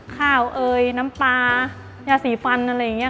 เอ่ยน้ำปลายาสีฟันอะไรอย่างนี้